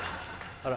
あら。